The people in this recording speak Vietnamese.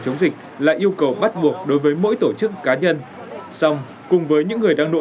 chống dịch là yêu cầu bắt buộc đối với mỗi tổ chức cá nhân song cùng với những người đang nỗ